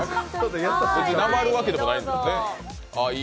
別になまるわけでもないんですね。